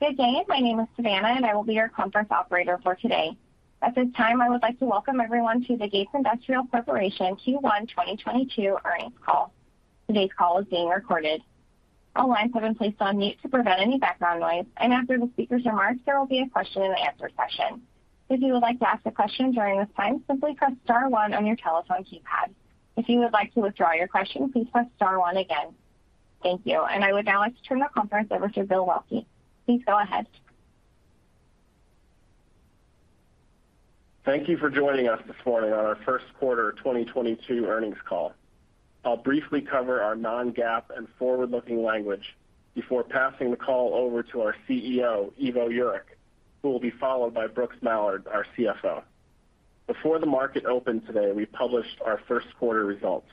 Good day. My name is Savannah, and I will be your conference operator for today. At this time, I would like to welcome everyone to the Gates Industrial Corporation Q1 2022 earnings call. Today's call is being recorded. All lines have been placed on mute to prevent any background noise, and after the speaker's remarks, there will be a question and answer session. If you would like to ask a question during this time, simply press star one on your telephone keypad. If you would like to withdraw your question, please press star one again. Thank you. I would now like to turn the conference over to Bill Waelke. Please go ahead. Thank you for joining us this morning on our first quarter 2022 earnings call. I'll briefly cover our non-GAAP and forward-looking language before passing the call over to our CEO, Ivo Jurek, who will be followed by Brooks Mallard, our CFO. Before the market opened today, we published our first quarter results.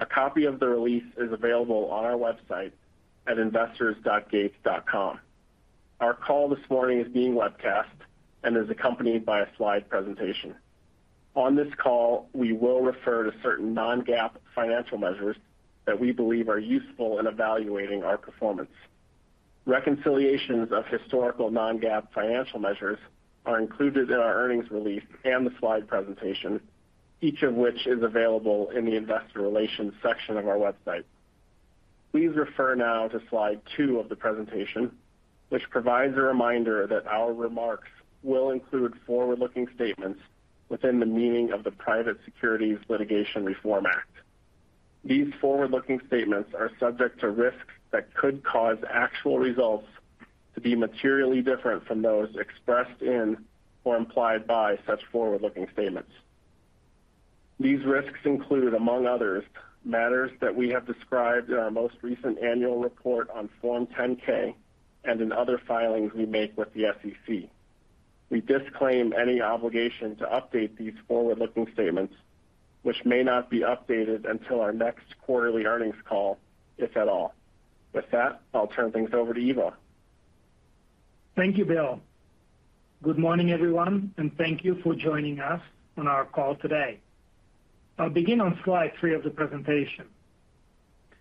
A copy of the release is available on our website at investors.gates.com. Our call this morning is being webcast and is accompanied by a slide presentation. On this call, we will refer to certain non-GAAP financial measures that we believe are useful in evaluating our performance. Reconciliations of historical non-GAAP financial measures are included in our earnings release and the slide presentation, each of which is available in the investor relations section of our website. Please refer now to slide two of the presentation, which provides a reminder that our remarks will include forward-looking statements within the meaning of the Private Securities Litigation Reform Act. These forward-looking statements are subject to risks that could cause actual results to be materially different from those expressed in or implied by such forward-looking statements. These risks include, among others, matters that we have described in our most recent annual report on Form 10-K and in other filings we make with the SEC. We disclaim any obligation to update these forward-looking statements, which may not be updated until our next quarterly earnings call, if at all. With that, I'll turn things over to Ivo. Thank you, Bill. Good morning, everyone, and thank you for joining us on our call today. I'll begin on slide three of the presentation.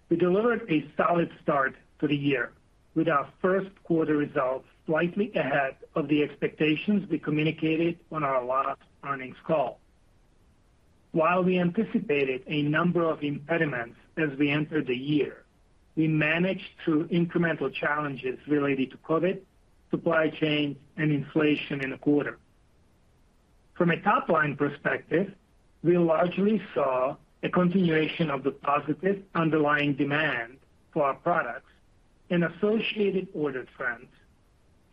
We delivered a solid start to the year with our first quarter results slightly ahead of the expectations we communicated on our last earnings call. While we anticipated a number of impediments as we entered the year, we managed through incremental challenges related to COVID, supply chain and inflation in the quarter. From a top line perspective, we largely saw a continuation of the positive underlying demand for our products and associated order trends,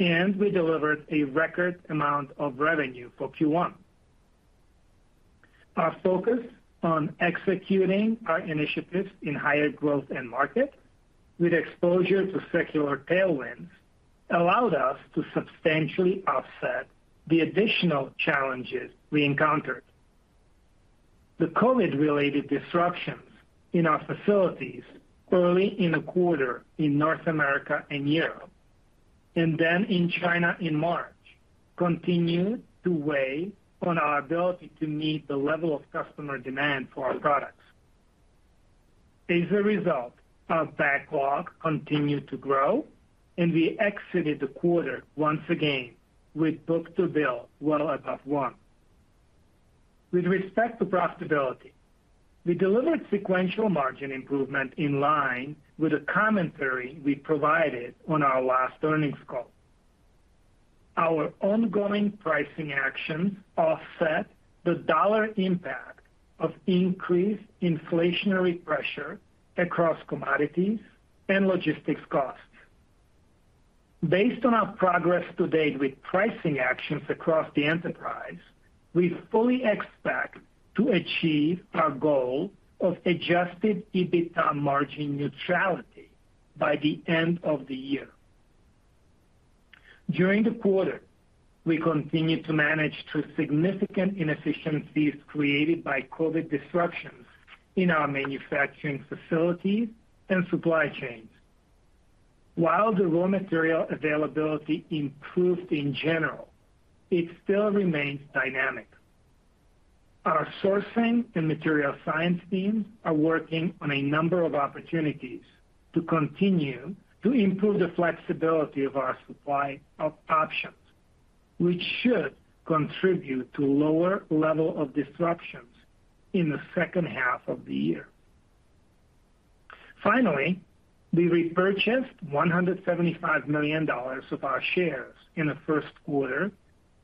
and we delivered a record amount of revenue for Q1. Our focus on executing our initiatives in higher growth end market with exposure to secular tailwinds allowed us to substantially offset the additional challenges we encountered. The COVID-related disruptions in our facilities early in the quarter in North America and Europe, and then in China in March, continued to weigh on our ability to meet the level of customer demand for our products. As a result, our backlog continued to grow, and we exited the quarter once again with book-to-bill well above one. With respect to profitability, we delivered sequential margin improvement in line with the commentary we provided on our last earnings call. Our ongoing pricing actions offset the dollar impact of increased inflationary pressure across commodities and logistics costs. Based on our progress to date with pricing actions across the enterprise, we fully expect to achieve our goal of Adjusted EBITDA margin neutrality by the end of the year. During the quarter, we continued to manage through significant inefficiencies created by COVID disruptions in our manufacturing facilities and supply chains. While the raw material availability improved in general, it still remains dynamic. Our sourcing and material science teams are working on a number of opportunities to continue to improve the flexibility of our supply of options, which should contribute to lower level of disruptions in the second half of the year. Finally, we repurchased $175 million of our shares in the first quarter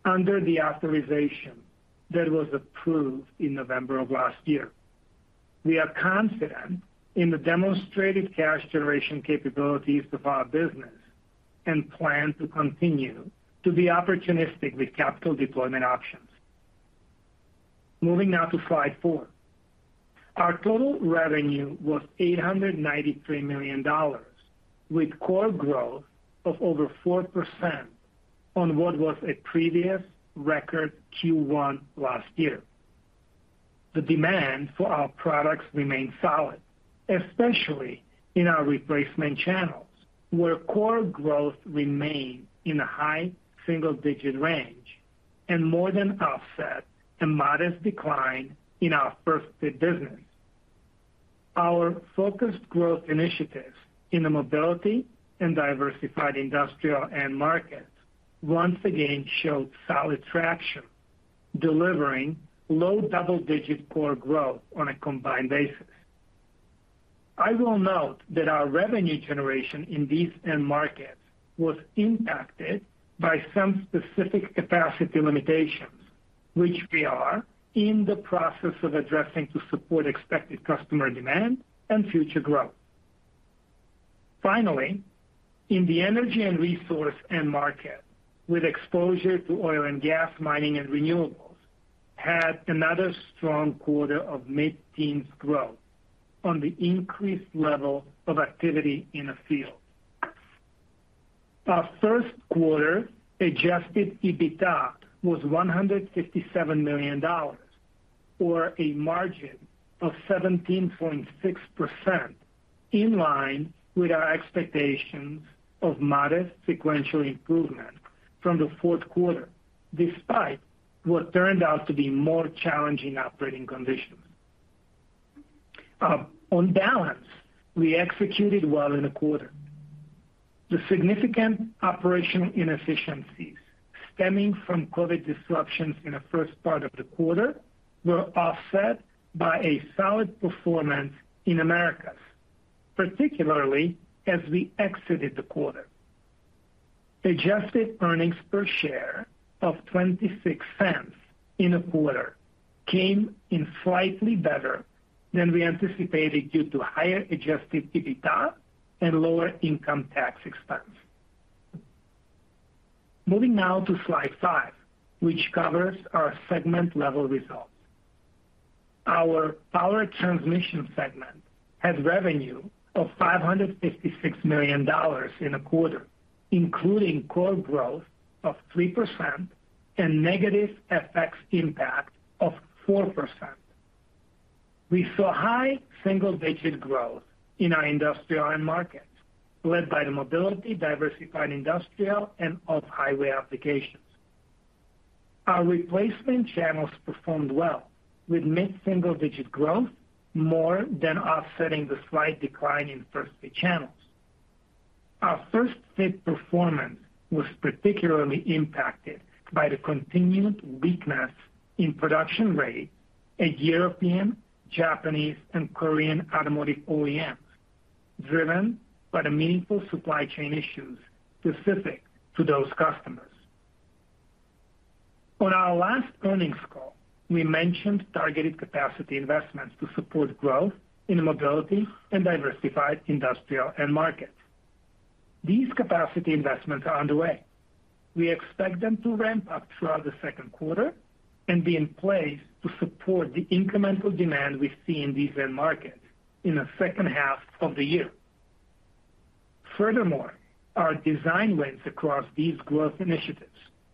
under the authorization that was approved in November of last year. We are confident in the demonstrated cash generation capabilities of our business and plan to continue to be opportunistic with capital deployment options. Moving now to slide four. Our total revenue was $893 million, with core growth of over 4% on what was a previous record Q1 last year. The demand for our products remained solid, especially in our replacement channels, where core growth remained in the high single-digit range and more than offset a modest decline in our first fit business. Our focused growth initiatives in the mobility and diversified industrial end market once again showed solid traction, delivering low double-digit core growth on a combined basis. I will note that our revenue generation in these end markets was impacted by some specific capacity limitations, which we are in the process of addressing to support expected customer demand and future growth. Finally, in the energy and resource end market with exposure to oil and gas mining and renewables, had another strong quarter of mid-teens growth on the increased level of activity in the field. Our first quarter Adjusted EBITDA was $157 million or a margin of 17.6%, in line with our expectations of modest sequential improvement from the fourth quarter, despite what turned out to be more challenging operating conditions. On balance, we executed well in the quarter. The significant operational inefficiencies stemming from COVID disruptions in the first part of the quarter were offset by a solid performance in Americas, particularly as we exited the quarter. Adjusted earnings per share of $0.26 in the quarter came in slightly better than we anticipated due to higher Adjusted EBITDA and lower income tax expense. Moving now to slide five, which covers our segment level results. Our Power Transmission segment had revenue of $556 million in the quarter, including core growth of 3% and negative FX impact of 4%. We saw high single-digit growth in our industrial end markets, led by the mobility, diversified industrial, and off-highway applications. Our replacement channels performed well with mid-single-digit growth more than offsetting the slight decline in first fit channels. Our first fit performance was particularly impacted by the continued weakness in production rate at European, Japanese, and Korean automotive OEMs, driven by the meaningful supply chain issues specific to those customers. On our last earnings call, we mentioned targeted capacity investments to support growth in the mobility and diversified industrial end markets. These capacity investments are underway. We expect them to ramp up throughout the second quarter and be in place to support the incremental demand we see in these end markets in the second half of the year. Furthermore, our design wins across these growth initiatives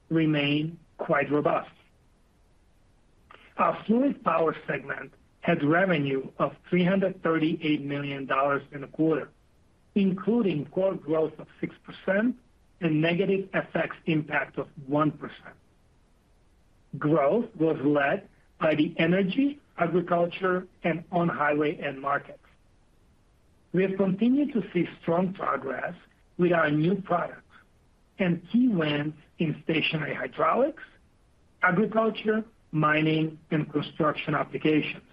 remain quite robust. Our Fluid Power segment had revenue of $338 million in the quarter, including core growth of 6% and negative FX impact of 1%. Growth was led by the energy, agriculture, and on-highway end markets. We have continued to see strong progress with our new products and key wins in Stationary Hydraulics, agriculture, mining, and construction applications.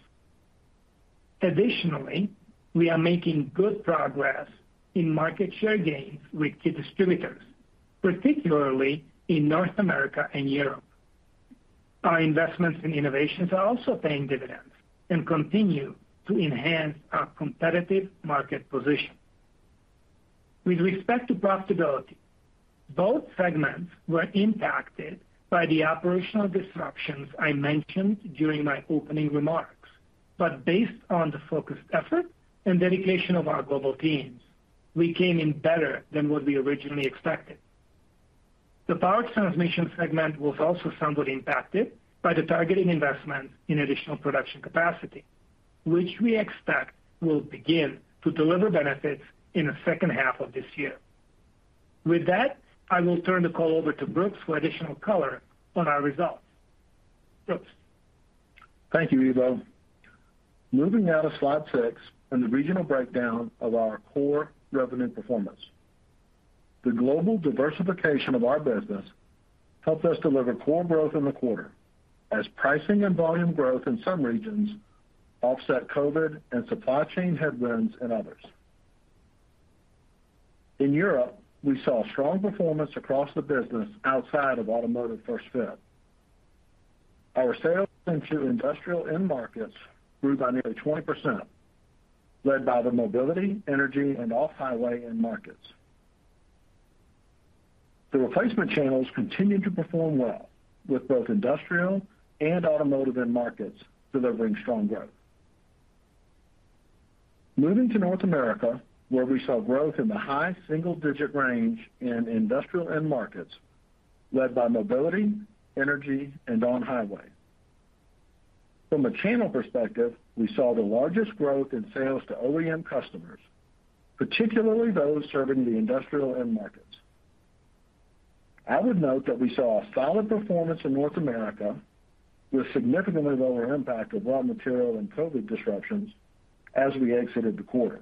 Additionally, we are making good progress in market share gains with key distributors, particularly in North America and Europe. Our investments in innovations are also paying dividends and continue to enhance our competitive market position. With respect to profitability, both segments were impacted by the operational disruptions I mentioned during my opening remarks. Based on the focused effort and dedication of our global teams, we came in better than what we originally expected. The Power Transmission segment was also somewhat impacted by the targeted investment in additional production capacity, which we expect will begin to deliver benefits in the second half of this year. With that, I will turn the call over to Brooks for additional color on our results. Brooks. Thank you, Ivo. Moving now to slide six and the regional breakdown of our core revenue performance. The global diversification of our business helped us deliver core growth in the quarter as pricing and volume growth in some regions offset COVID and supply chain headwinds in others. In Europe, we saw strong performance across the business outside of automotive first fit. Our sales into industrial end markets grew by nearly 20%, led by the mobility, energy, and off-highway end markets. The replacement channels continued to perform well with both industrial and automotive end markets delivering strong growth. Moving to North America, where we saw growth in the high single-digit range in industrial end markets led by mobility, energy, and on-highway. From a channel perspective, we saw the largest growth in sales to OEM customers, particularly those serving the industrial end markets. I would note that we saw a solid performance in North America with significantly lower impact of raw material and COVID disruptions as we exited the quarter.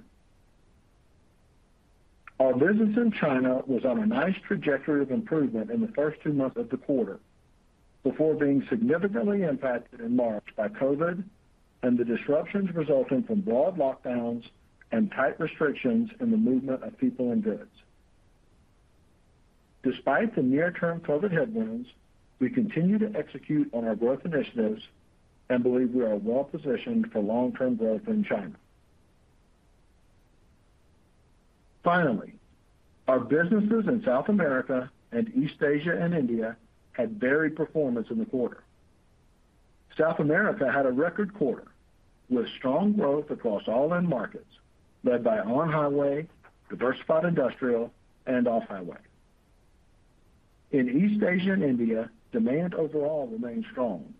Our business in China was on a nice trajectory of improvement in the first two months of the quarter before being significantly impacted in March by COVID and the disruptions resulting from broad lockdowns and tight restrictions in the movement of people and goods. Despite the near-term COVID headwinds, we continue to execute on our growth initiatives and believe we are well positioned for long-term growth in China. Finally, our businesses in South America and East Asia and India had varied performance in the quarter. South America had a record quarter with strong growth across all end markets led by on-highway, diversified industrial, and off-highway. In East Asia and India, demand overall remained strong.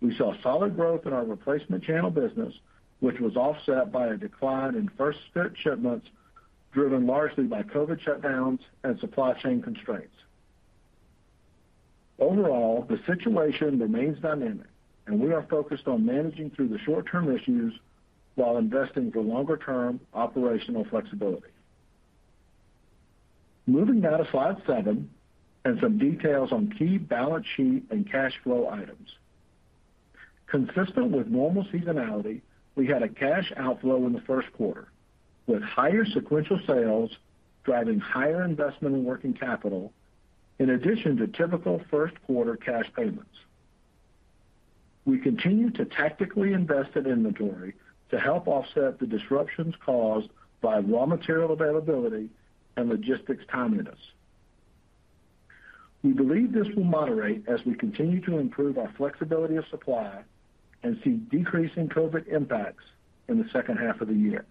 We saw solid growth in our replacement channel business, which was offset by a decline in first fit shipments, driven largely by COVID shutdowns and supply chain constraints. Overall, the situation remains dynamic, and we are focused on managing through the short-term issues while investing for longer-term operational flexibility. Moving now to slide seven and some details on key balance sheet and cash flow items. Consistent with normal seasonality, we had a cash outflow in the first quarter, with higher sequential sales driving higher investment in working capital in addition to typical first quarter cash payments. We continue to tactically invest in inventory to help offset the disruptions caused by raw material availability and logistics timeliness. We believe this will moderate as we continue to improve our flexibility of supply and see decreasing COVID impacts in the second half of the year.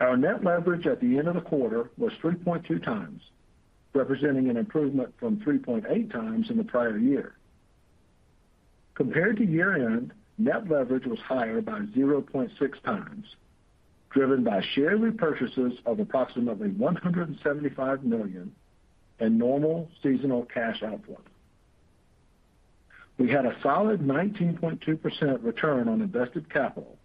Our net leverage at the end of the quarter was 3.2x, representing an improvement from 3.8x in the prior year. Compared to year-end, net leverage was higher by 0.6x, driven by share repurchases of approximately $175 million and normal seasonal cash outflow. We had a solid 19.2% return on invested capital,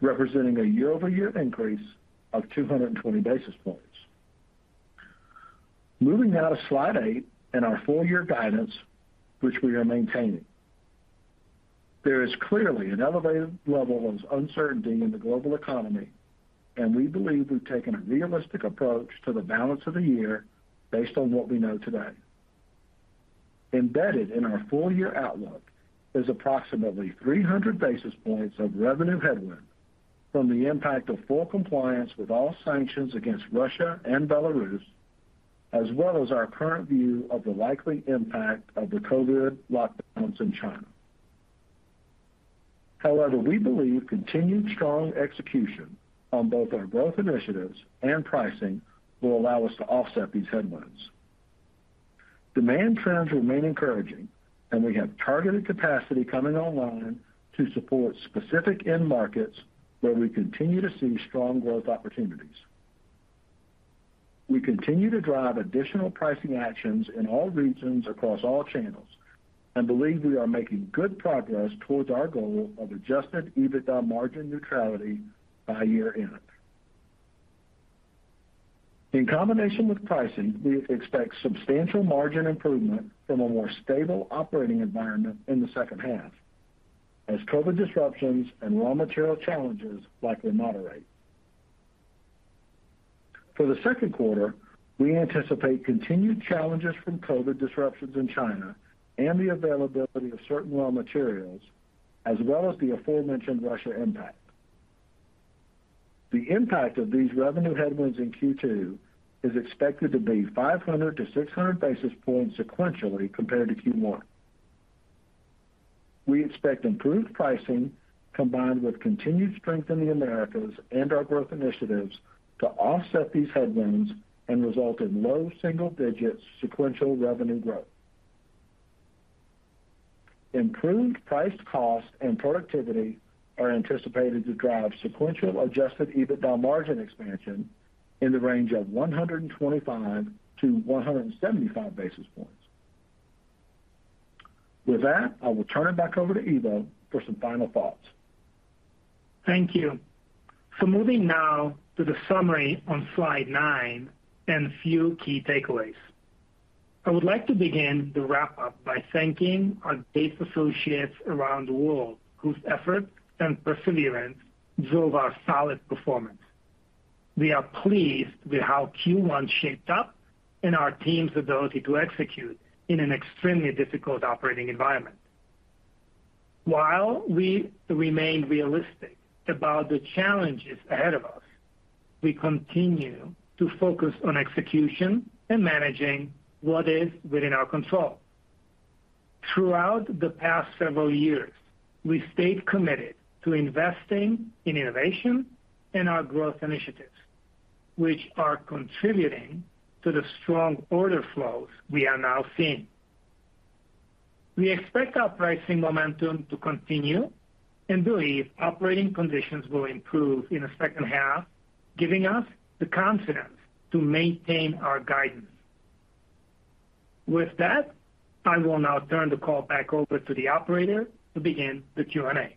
representing a year-over-year increase of 220 basis points. Moving now to slide eight and our full year guidance, which we are maintaining. There is clearly an elevated level of uncertainty in the global economy, and we believe we've taken a realistic approach to the balance of the year based on what we know today. Embedded in our full-year outlook is approximately 300 basis points of revenue headwind from the impact of full compliance with all sanctions against Russia and Belarus, as well as our current view of the likely impact of the COVID lockdowns in China. However, we believe continued strong execution on both our growth initiatives and pricing will allow us to offset these headwinds. Demand trends remain encouraging, and we have targeted capacity coming online to support specific end markets where we continue to see strong growth opportunities. We continue to drive additional pricing actions in all regions across all channels and believe we are making good progress towards our goal of Adjusted EBITDA margin neutrality by year-end. In combination with pricing, we expect substantial margin improvement from a more stable operating environment in the second half as COVID disruptions and raw material challenges likely moderate. For the second quarter, we anticipate continued challenges from COVID disruptions in China and the availability of certain raw materials, as well as the aforementioned Russia impact. The impact of these revenue headwinds in Q2 is expected to be 500-600 basis points sequentially compared to Q1. We expect improved pricing combined with continued strength in the Americas and our growth initiatives to offset these headwinds and result in low single digits sequential revenue growth. Improved price cost and productivity are anticipated to drive sequential Adjusted EBITDA margin expansion in the range of 125-175 basis points. With that, I will turn it back over to Ivo for some final thoughts. Thank you. Moving now to the summary on slide nine and a few key takeaways. I would like to begin the wrap-up by thanking our great associates around the world whose effort and perseverance drove our solid performance. We are pleased with how Q1 shaped up and our team's ability to execute in an extremely difficult operating environment. While we remain realistic about the challenges ahead of us, we continue to focus on execution and managing what is within our control. Throughout the past several years, we stayed committed to investing in innovation and our growth initiatives, which are contributing to the strong order flows we are now seeing. We expect our pricing momentum to continue and believe operating conditions will improve in the second half, giving us the confidence to maintain our guidance. With that, I will now turn the call back over to the operator to begin the Q&A.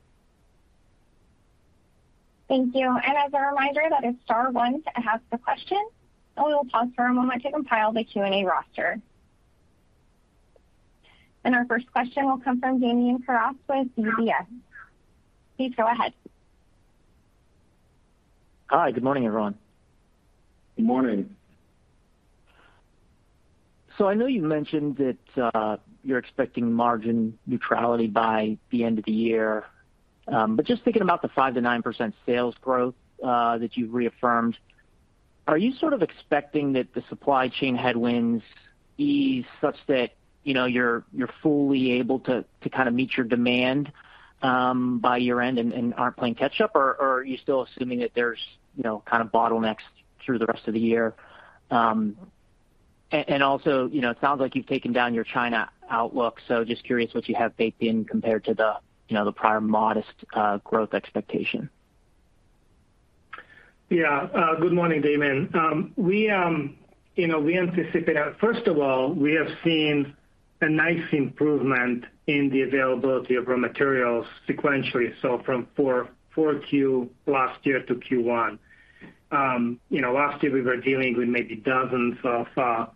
Thank you. As a reminder, that is star one to ask a question, and we will pause for a moment to compile the Q&A roster. Our first question will come from Damian Karas with UBS. Please go ahead. Hi, good morning, everyone. Good morning. I know you mentioned that you're expecting margin neutrality by the end of the year, but just thinking about the 5%-9% sales growth that you've reaffirmed, are you sort of expecting that the supply chain headwinds ease such that you know you're fully able to to kind of meet your demand by year-end and aren't playing catch up? Or are you still assuming that there's you know kind of bottlenecks through the rest of the year? And also you know it sounds like you've taken down your China outlook, so just curious what you have baked in compared to the you know the prior modest growth expectation. Yeah. Good morning, Damian. First of all, we have seen a nice improvement in the availability of raw materials sequentially, so from 4Q last year to Q1. You know, last year we were dealing with maybe dozens of raw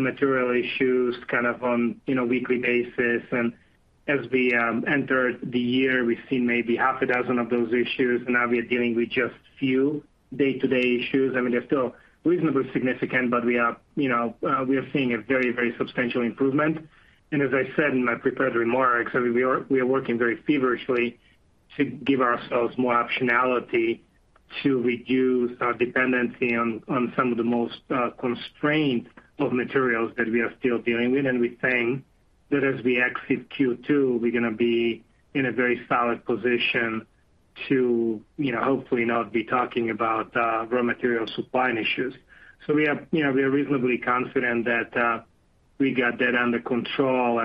material issues kind of on a weekly basis. As we entered the year, we've seen maybe half a dozen of those issues. Now we are dealing with just a few day-to-day issues. I mean, they're still reasonably significant, but we are seeing a very, very substantial improvement. As I said in my prepared remarks, I mean, we are working very feverishly to give ourselves more optionality to reduce our dependency on some of the most constrained materials that we are still dealing with. We think that as we exit Q2, we're gonna be in a very solid position to, you know, hopefully not be talking about raw material supply and issues. We are, you know, reasonably confident that we got that under control.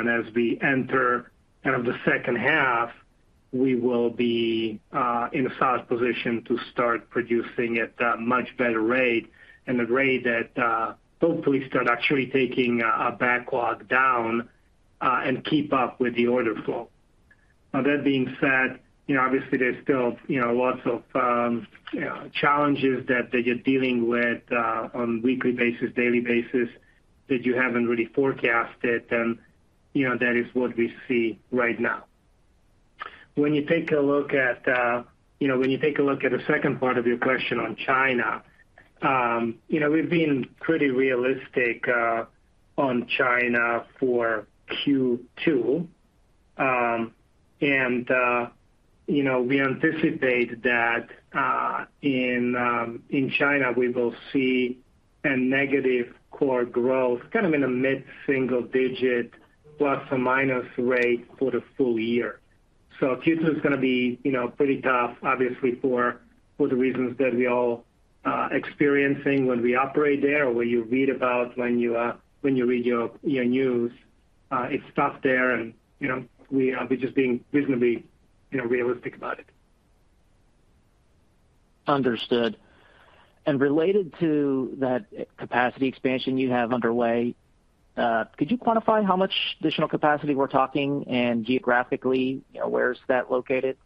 We will be in a solid position to start producing at a much better rate and the rate that hopefully start actually taking our backlog down and keep up with the order flow. Now that being said, you know, obviously there's still, you know, lots of challenges that you're dealing with on weekly basis, daily basis that you haven't really forecasted. That is what we see right now. When you take a look at the second part of your question on China, you know, we've been pretty realistic on China for Q2. You know, we anticipate that in China, we will see a negative core growth kind of in a mid-single digit plus or minus rate for the full year. Q2 is gonna be, you know, pretty tough obviously for the reasons that we all experiencing when we operate there or what you read about when you read your news. It's tough there and, you know, we are just being reasonably, you know, realistic about it. Understood. Related to that capacity expansion you have underway, could you quantify how much additional capacity we're talking and geographically, you know, where is that located?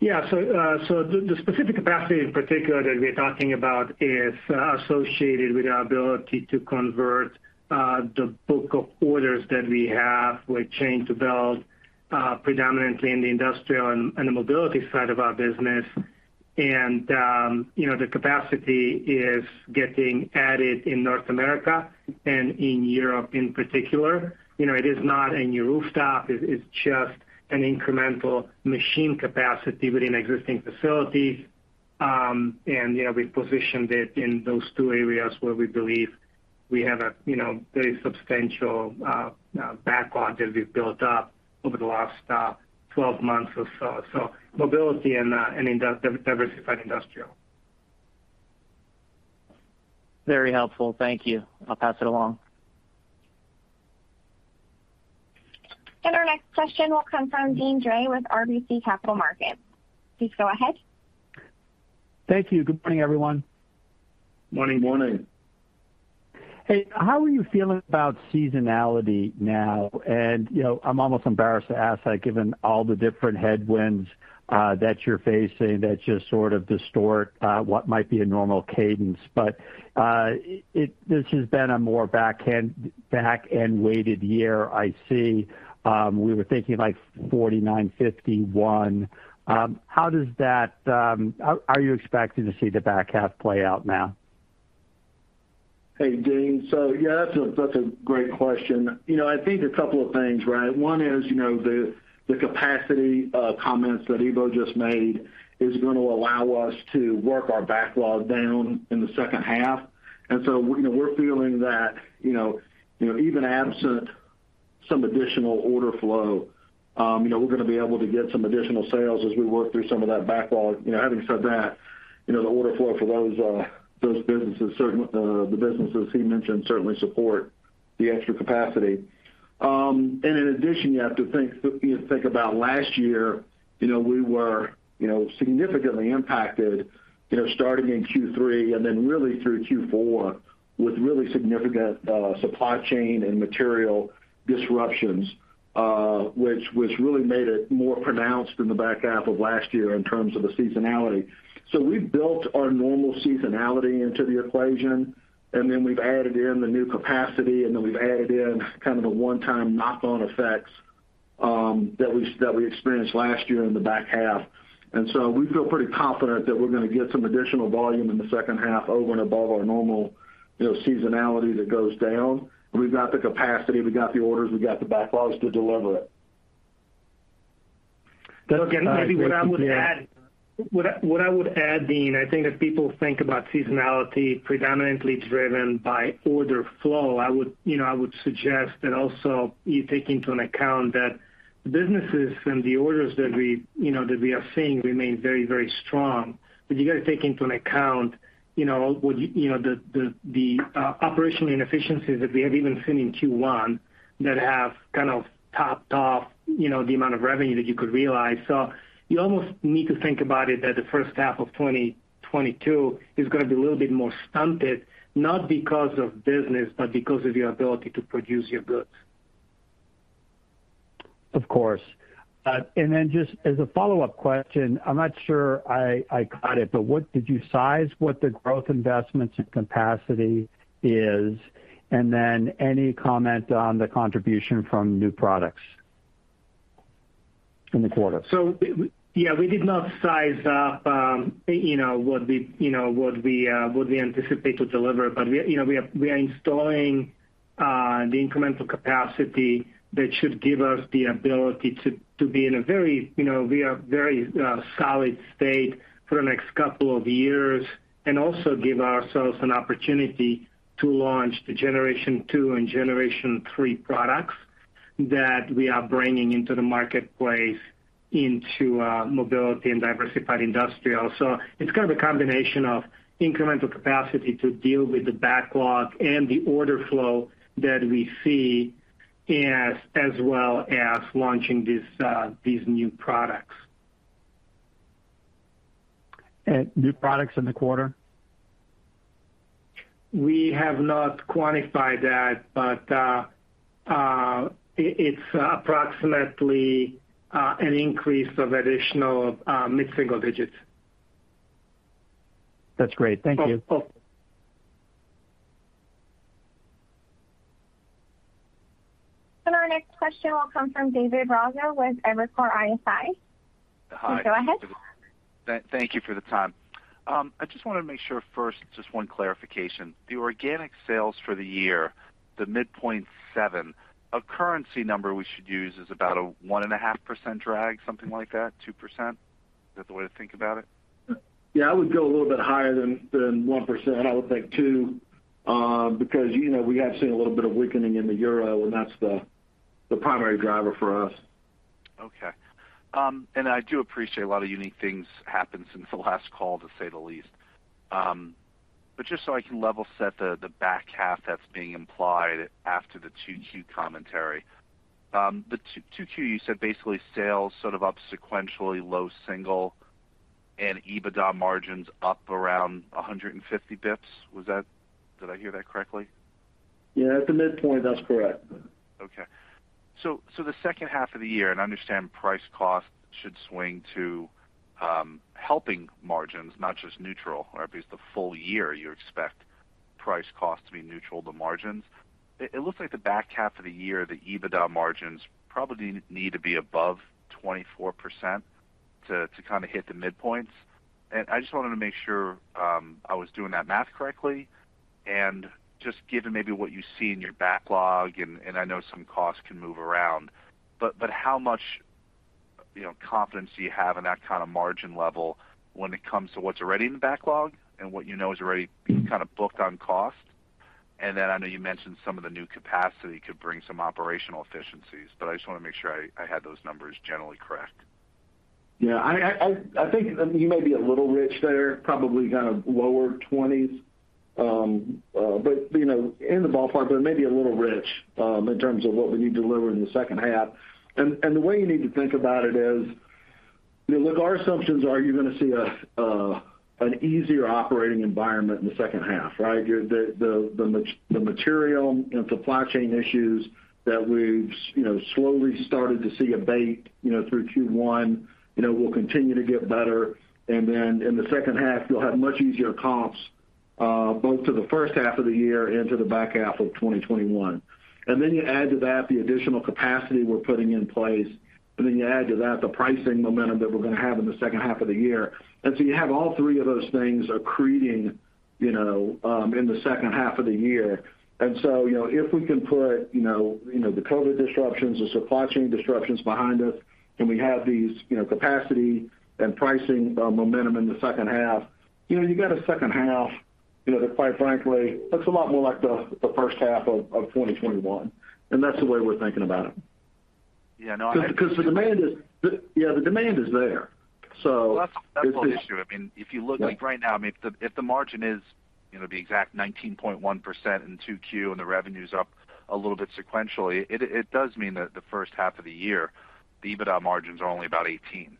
The specific capacity in particular that we're talking about is associated with our ability to convert the book of orders that we have with chain-to-belt, predominantly in the industrial and the mobility side of our business. You know, the capacity is getting added in North America and in Europe in particular. You know, it is not a new rooftop. It is just an incremental machine capacity within existing facilities. We positioned it in those two areas where we believe we have a you know, very substantial backlog that we've built up over the last 12 months or so. Mobility and diversified industrial. Very helpful. Thank you. I'll pass it along. Our next question will come from Deane Dray with RBC Capital Markets. Please go ahead. Thank you. Good morning, everyone. Morning. Morning. Hey, how are you feeling about seasonality now? You know, I'm almost embarrassed to ask that given all the different headwinds that you're facing that just sort of distort what might be a normal cadence. This has been a more back-end-weighted year, I see. We were thinking like 49-51. How does that? Are you expecting to see the back half play out now? Hey, Dean. Yeah, that's a great question. You know, I think a couple of things, right? One is, you know, the capacity comments that Ivo just made is gonna allow us to work our backlog down in the second half. We're feeling that, you know, even absent some additional order flow, you know, we're gonna be able to get some additional sales as we work through some of that backlog. You know, having said that, you know, the order flow for those businesses, the businesses he mentioned certainly support The extra capacity. In addition, you have to think about last year. You know, we were significantly impacted, you know, starting in Q3 and then really through Q4 with really significant supply chain and material disruptions, which really made it more pronounced in the back half of last year in terms of the seasonality. We've built our normal seasonality into the equation, and then we've added in the new capacity, and then we've added in kind of the one-time knock-on effects that we experienced last year in the back half. We feel pretty confident that we're gonna get some additional volume in the second half over and above our normal, you know, seasonality that goes down. We've got the capacity, we've got the orders, we've got the backlogs to deliver it. Look, maybe what I would add, Deane, I think if people think about seasonality predominantly driven by order flow, I would suggest that also you take into account that the businesses and the orders that we, you know, that we are seeing remain very, very strong. You got to take into account, you know, the operational inefficiencies that we have even seen in Q1 that have kind of topped off, you know, the amount of revenue that you could realize. You almost need to think about it that the first half of 2022 is gonna be a little bit more stunted, not because of business, but because of your ability to produce your goods. Of course. Just as a follow-up question, I'm not sure I caught it, but what did you say the growth investments and capacity is, and then any comment on the contribution from new products in the quarter? Yeah, we did not size up what we anticipate to deliver. We are installing the incremental capacity that should give us the ability to be in a very solid state for the next couple of years and also give ourselves an opportunity to launch the generation two and generation three products that we are bringing into the marketplace into mobility and diversified industrial. It's kind of a combination of incremental capacity to deal with the backlog and the order flow that we see as well as launching these new products. New products in the quarter? We have not quantified that, but it's approximately an increase of additional mid-single digits. That's great. Thank you. Oh. Our next question will come from David Raso with Evercore ISI. Hi. You can go ahead. Thank you for the time. I just wanted to make sure first, just one clarification. The organic sales for the year, the midpoint seven, a currency number we should use is about a 1.5% drag, something like that, 2%? Is that the way to think about it? Yeah, I would go a little bit higher than 1%. I would think 2%, because, you know, we have seen a little bit of weakening in the euro, and that's the primary driver for us. Okay. I do appreciate a lot of unique things happened since the last call, to say the least. Just so I can level set the back half that's being implied after the 2Q commentary. The 2Q, you said basically sales sort of up sequentially low single and EBITDA margins up around 150 basis points. Did I hear that correctly? Yeah, at the midpoint, that's correct. Okay. The second half of the year, and I understand price cost should swing to helping margins, not just neutral, right? Because the full year, you expect price cost to be neutral to margins. It looks like the back half of the year, the EBITDA margins probably need to be above 24% to kind of hit the midpoints. I just wanted to make sure I was doing that math correctly. Just given maybe what you see in your backlog, and I know some costs can move around, but how much, you know, confidence do you have in that kind of margin level when it comes to what's already in the backlog and what you know is already kind of booked on cost? I know you mentioned some of the new capacity could bring some operational efficiencies, but I just wanna make sure I had those numbers generally correct. Yeah. I think you may be a little rich there, probably kind of lower 20s. But you know, in the ballpark, but maybe a little rich in terms of what we need to deliver in the second half. The way you need to think about it is, you know, look, our assumptions are you're gonna see an easier operating environment in the second half, right? The material and supply chain issues that we've slowly started to see abate through Q1 will continue to get better. Then in the second half, you'll have much easier comps both to the first half of the year and to the back half of 2021. Then you add to that the additional capacity we're putting in place, and then you add to that the pricing momentum that we're gonna have in the second half of the year. You have all three of those things are creating, you know, in the second half of the year. You know, if we can put, you know, the COVID disruptions, the supply chain disruptions behind us, and we have these, you know, capacity and pricing, momentum in the second half, you know, you got a second half, you know, that quite frankly looks a lot more like the first half of 2021. That's the way we're thinking about it. Yeah, no. Because the demand is there. It's That's the whole issue. I mean, if you look like right now, I mean, if the margin is, you know, the exact 19.1% in 2Q and the revenue's up a little bit sequentially, it does mean that the first half of the year, the EBITDA margins are only about 18%.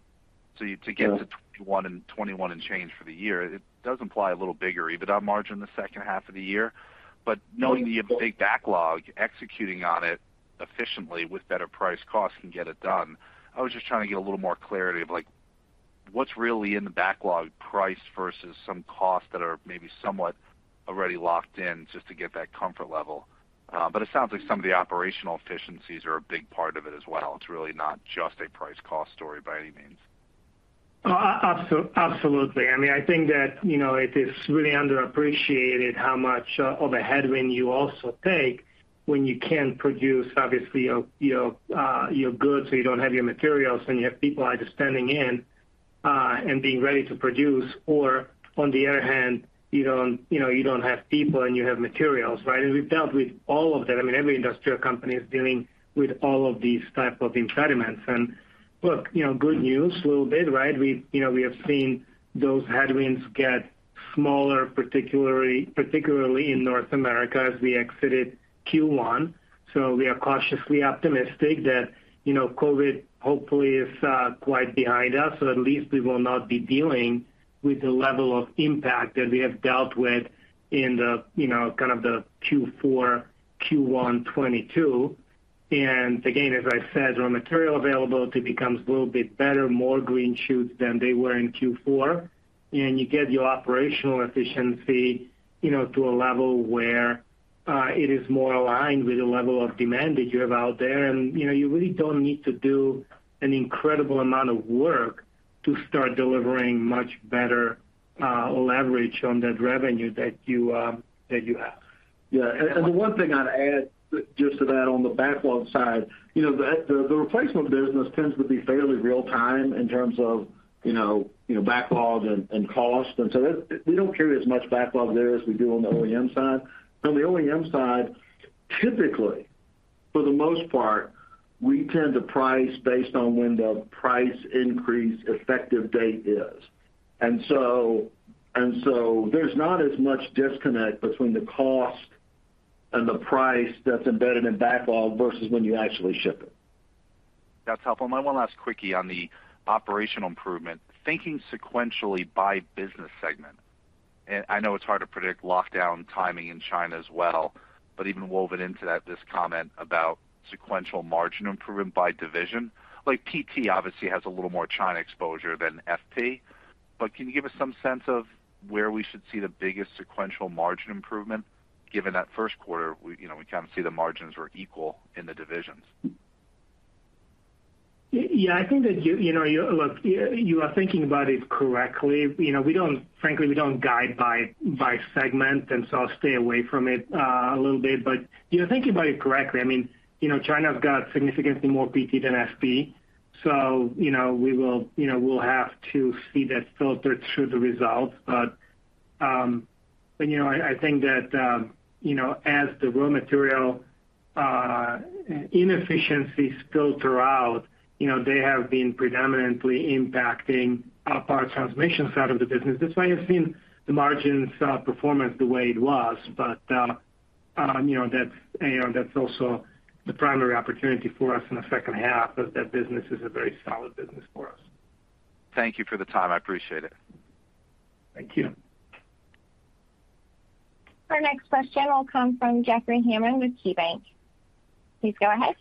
To get to 21 and 21 and change for the year, it does imply a little bigger EBITDA margin in the second half of the year. Knowing you have a big backlog, executing on it efficiently with better price cost can get it done. I was just trying to get a little more clarity of, like, what's really in the backlog price versus some costs that are maybe somewhat already locked in just to get that comfort level. It sounds like some of the operational efficiencies are a big part of it as well. It's really not just a price cost story by any means. Absolutely. I mean, I think that, you know, it is really underappreciated how much of a headwind you also take when you can't produce obviously your goods, so you don't have your materials, and you have people either standing in and being ready to produce or on the other hand, you don't, you know, you don't have people and you have materials, right? We've dealt with all of that. I mean, every industrial company is dealing with all of these type of impediments. Look, you know, good news a little bit, right? You know, we have seen those headwinds get smaller, particularly in North America as we exited Q1. We are cautiously optimistic that, you know, COVID hopefully is quite behind us, or at least we will not be dealing with the level of impact that we have dealt with in the, you know, kind of the Q4, Q1 2022. Again, as I said, raw material availability becomes a little bit better, more green shoots than they were in Q4. You get your operational efficiency, you know, to a level where it is more aligned with the level of demand that you have out there. You know, you really don't need to do an incredible amount of work to start delivering much better leverage on that revenue that you have. Yeah. The one thing I'd add just to that on the backlog side, you know, the replacement business tends to be fairly real time in terms of, you know, backlog and cost. That we don't carry as much backlog there as we do on the OEM side. On the OEM side, typically, for the most part, we tend to price based on when the price increase effective date is. There's not as much disconnect between the cost and the price that's embedded in backlog versus when you actually ship it. That's helpful. My one last quickie on the operational improvement, thinking sequentially by business segment. I know it's hard to predict lockdown timing in China as well, but even woven into that, this comment about sequential margin improvement by division. Like, PT obviously has a little more China exposure than FP. Can you give us some sense of where we should see the biggest sequential margin improvement given that first quarter, we, you know, we kind of see the margins were equal in the divisions? Yeah, I think that you know, look, you are thinking about it correctly. You know, we don't frankly, we don't guide by segment, and so I'll stay away from it a little bit. You're thinking about it correctly. I mean, you know, China's got significantly more PT than FP, so you know, we'll have to see that filter through the results. You know, I think that you know, as the raw material inefficiencies filter out, you know, they have been predominantly impacting our Power Transmission side of the business. That's why you've seen the margins performance the way it was. You know, that's also the primary opportunity for us in the second half of that business is a very solid business for us. Thank you for the time. I appreciate it. Thank you. Our next question will come from Jeffrey Hammond with KeyBanc. Please go ahead.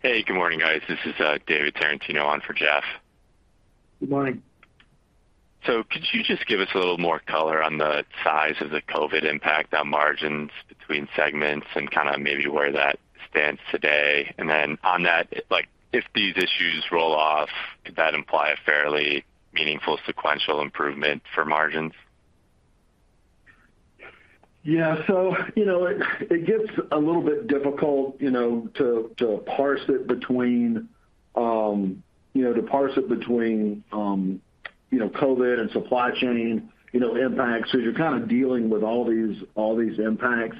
Hey, good morning, guys. This is David Tarantino on for Jeff. Good morning. Could you just give us a little more color on the size of the COVID impact on margins between segments and kinda maybe where that stands today? Then on that, like, if these issues roll off, could that imply a fairly meaningful sequential improvement for margins? It gets a little bit difficult, you know, to parse it between COVID and supply chain impacts. You're kind of dealing with all these impacts.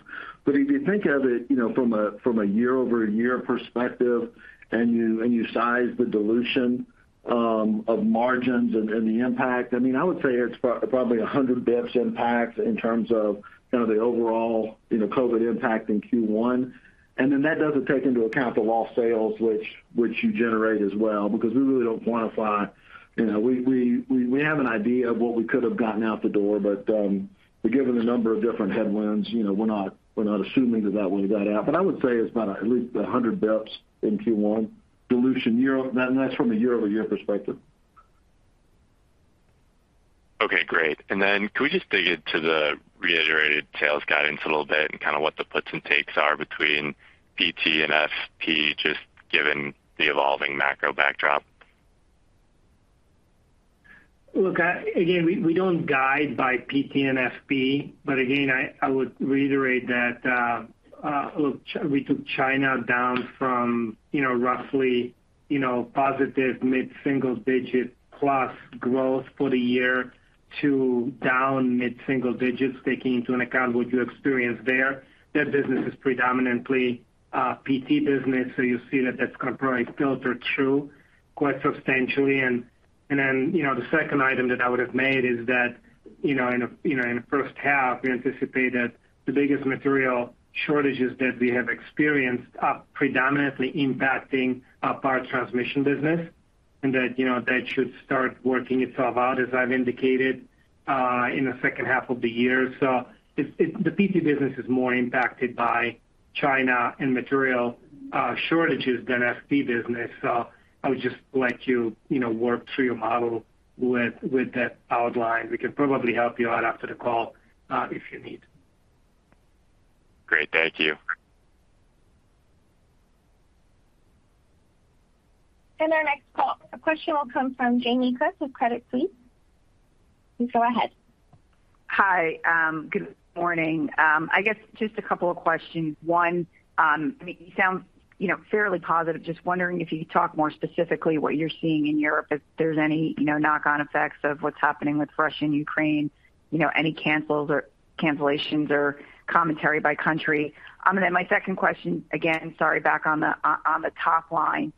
If you think of it, you know, from a year-over-year perspective and you size the dilution of margins and the impact, I mean, I would say it's probably 100 basis points impact in terms of, you know, the overall, you know, COVID impact in Q1. That doesn't take into account the lost sales which you generate as well, because we really don't quantify. You know, we have an idea of what we could have gotten out the door, but, given the number of different headwinds, you know, we're not assuming that will even out. I would say it's about at least 100 BPS in Q1 dilution year-over-year and that's from a year-over-year perspective. Okay, great. Could we just dig into the reiterated sales guidance a little bit and kind of what the puts and takes are between PT and FP, just given the evolving macro backdrop? Look, again, we don't guide by PT and FP, but again, I would reiterate that, look, we took China down from, you know, roughly, you know, positive mid-single digit plus growth for the year to down mid-single digits, taking into account what you experienced there. That business is predominantly PT business. So you see that that's gonna probably filter through quite substantially. Then, you know, the second item that I would have made is that, you know, in the first half, we anticipate that the biggest material shortages that we have experienced are predominantly impacting our Power Transmission business, and that, you know, that should start working itself out as I've indicated in the second half of the year. So the PT business is more impacted by China and material shortages than FP business. I would just let you know, work through your model with that outline. We can probably help you out after the call, if you need. Great. Thank you. Our next question will come from Jamie Cook with Credit Suisse. Please go ahead. Hi. Good morning. I guess just a couple of questions. One, I mean, you sound, you know, fairly positive. Just wondering if you could talk more specifically what you're seeing in Europe, if there's any, you know, knock-on effects of what's happening with Russia and Ukraine, you know, any cancels or cancellations or commentary by country. And then my second question, again, sorry, back on the top line.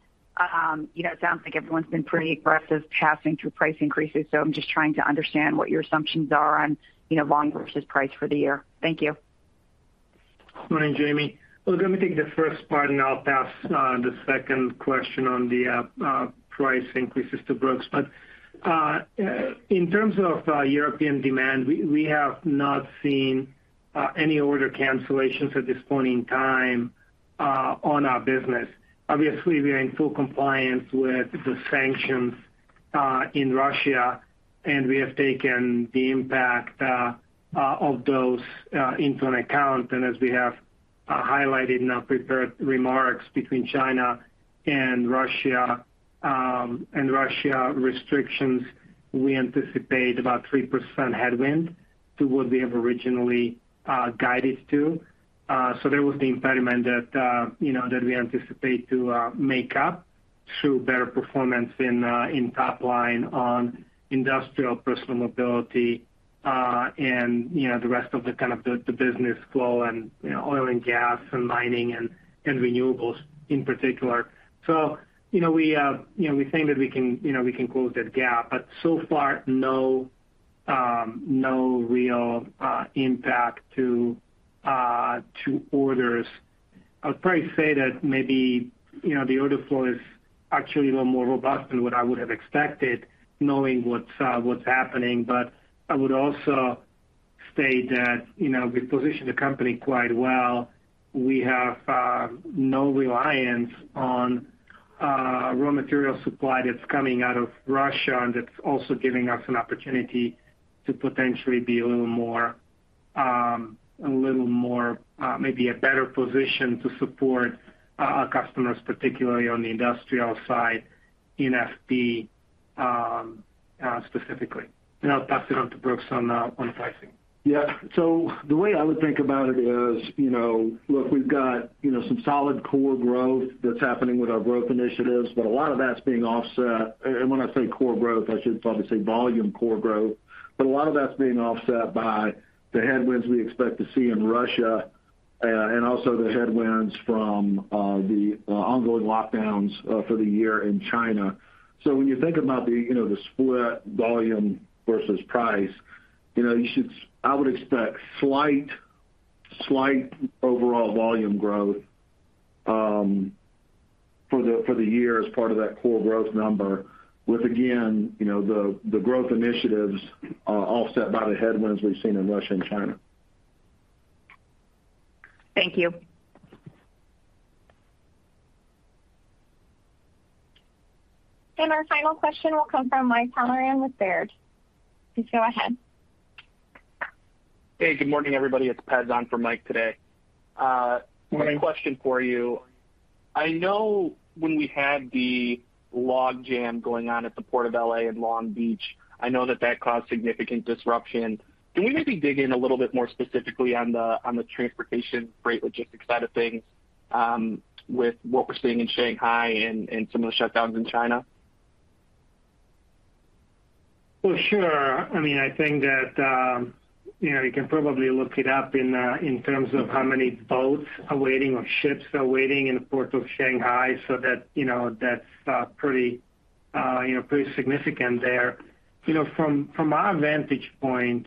You know, it sounds like everyone's been pretty aggressive passing through price increases, so I'm just trying to understand what your assumptions are on, you know, volume versus price for the year. Thank you. Morning, Jamie. Well, let me take the first part, and I'll pass the second question on the price increases to Brooks Mallard. In terms of European demand, we have not seen any order cancellations at this point in time on our business. Obviously, we are in full compliance with the sanctions in Russia, and we have taken the impact of those into account. As we have highlighted in our prepared remarks between China and Russia and Russia restrictions, we anticipate about 3% headwind to what we have originally guided to. There was the impediment that, you know, that we anticipate to make up through better performance in top line on industrial Personal Mobility, and you know, the rest of the kind of the business flow and, you know, oil and gas and mining and renewables in particular. You know, we think that we can close that gap. So far, no real impact to orders. I would probably say that maybe, you know, the order flow is actually a little more robust than what I would have expected, knowing what's happening. I would also state that, you know, we positioned the company quite well. We have no reliance on raw material supply that's coming out of Russia, and that's also giving us an opportunity to potentially be a little more maybe a better position to support our customers, particularly on the industrial side in FP, specifically. I'll pass it on to Brooks on pricing. Yeah. The way I would think about it is, you know, look, we've got, you know, some solid core growth that's happening with our growth initiatives, but a lot of that's being offset. When I say core growth, I should probably say volume core growth. But a lot of that's being offset by the headwinds we expect to see in Russia and also the headwinds from the ongoing lockdowns for the year in China. When you think about the split volume versus price, you know, I would expect slight overall volume growth for the year as part of that core growth number with, again, you know, the growth initiatives offset by the headwinds we've seen in Russia and China. Thank you. Our final question will come from Michael Halloran with Baird. Please go ahead. Hey, good morning, everybody. It's Pez on for Mike today. Morning. One question for you. I know when we had the log jam going on at the Port of L.A. and Long Beach, I know that caused significant disruption. Can we maybe dig in a little bit more specifically on the transportation freight logistics side of things, with what we're seeing in Shanghai and some of the shutdowns in China? Well, sure. I mean, I think that, you know, you can probably look it up in terms of how many boats are waiting or ships are waiting in the port of Shanghai so that, you know, that's pretty, you know, pretty significant there. You know, from our vantage point,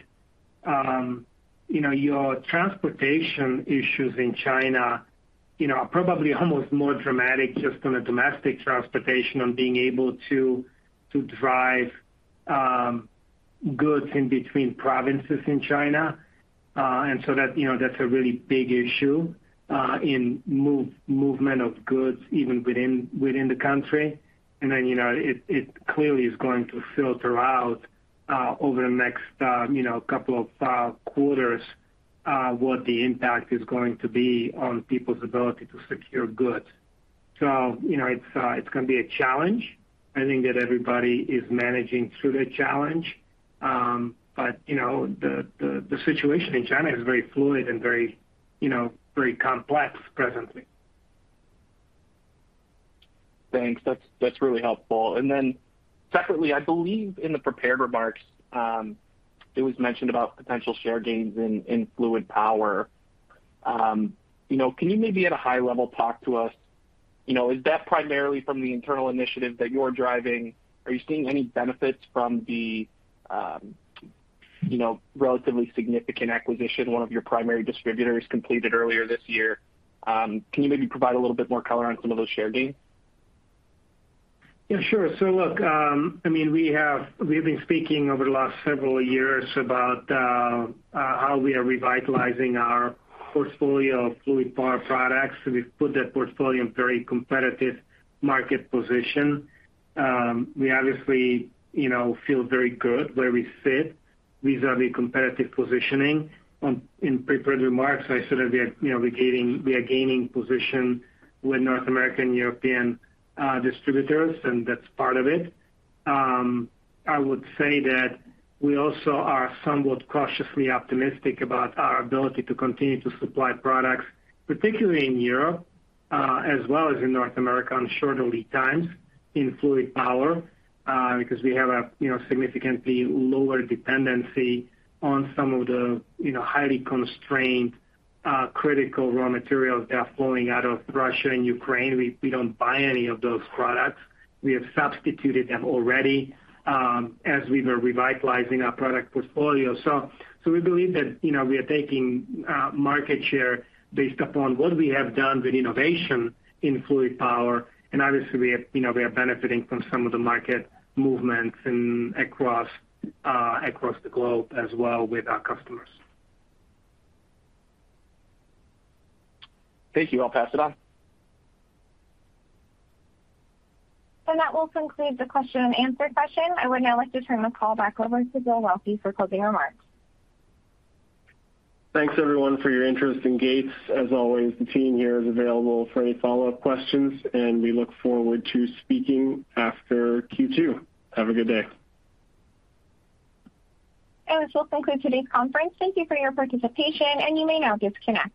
you know, your transportation issues in China, you know, are probably almost more dramatic just on a domestic transportation on being able to drive goods in between provinces in China. That, you know, that's a really big issue in movement of goods even within the country. You know, it clearly is going to filter out over the next, you know, couple of quarters, what the impact is going to be on people's ability to secure goods. You know, it's gonna be a challenge. I think that everybody is managing through the challenge. You know, the situation in China is very fluid and very, you know, very complex presently. Thanks. That's really helpful. Separately, I believe in the prepared remarks, it was mentioned about potential share gains in Fluid Power. You know, can you maybe at a high level talk to us, you know, is that primarily from the internal initiative that you're driving? Are you seeing any benefits from the, you know, relatively significant acquisition one of your primary distributors completed earlier this year? Can you maybe provide a little bit more color on some of those share gains? Yeah, sure. Look, I mean, we've been speaking over the last several years about how we are revitalizing our portfolio of Fluid Power products. We've put that portfolio in very competitive market position. We obviously, you know, feel very good where we sit vis-a-vis competitive positioning. In prepared remarks, I said that we are, you know, gaining position with North American, European distributors, and that's part of it. I would say that we also are somewhat cautiously optimistic about our ability to continue to supply products, particularly in Europe, as well as in North America on shorter lead times in Fluid Power because we have a, you know, significantly lower dependency on some of the, you know, highly constrained critical raw materials that are flowing out of Russia and Ukraine. We don't buy any of those products. We have substituted them already, as we were revitalizing our product portfolio. We believe that, you know, we are taking market share based upon what we have done with innovation in Fluid Power. Obviously, we are, you know, we are benefiting from some of the market movements across the globe as well with our customers. Thank you. I'll pass it on. That will conclude the question and answer session. I would now like to turn the call back over to Bill Waelke for closing remarks. Thanks, everyone, for your interest in Gates. As always, the team here is available for any follow-up questions, and we look forward to speaking after Q2. Have a good day. This will conclude today's conference. Thank you for your participation, and you may now disconnect.